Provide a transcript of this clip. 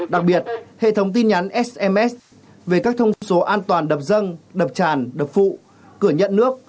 đặc biệt hệ thống tin nhắn sms về các thông số an toàn đập dân đập tràn đập phụ cửa nhận nước